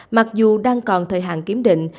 mặc dù đang còn thời hạn kiểm định